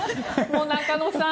中野さん。